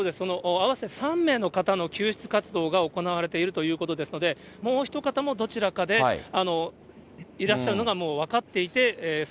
合わせて３名の方の救出活動が行われているということですので、もうひと方もどちらかで、いらっしゃるのがもう分かっていて、作